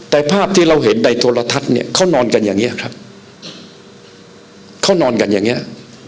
แต่ภาพที่เราเห็นในโทรทัศน์เนี่ยเขานอนกันอย่างเงี้ยครับเขานอนกันอย่างเงี้ย